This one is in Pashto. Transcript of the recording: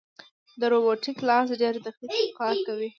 دا روبوټیک لاس ډېر دقیق کار کوي.